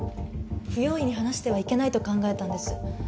不用意に話してはいけないと考えたんです。